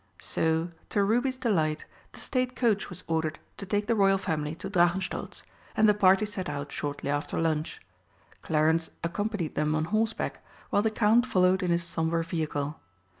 So, to Ruby's delight, the State coach was ordered to take the Royal Family to Drachenstolz, and the party set out shortly after lunch. Clarence accompanied them on horseback, while the Count followed in his sombre vehicle.